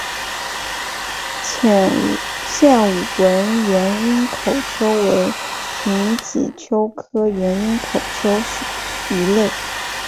线纹原缨口鳅为平鳍鳅科原缨口鳅属的鱼类。